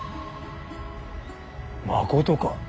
まことか。